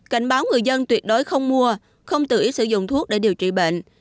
cảnh báo người dân tuyệt đối không mua không tự ý sử dụng thuốc để điều trị bệnh